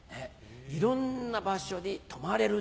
いろんな場所に泊まれる。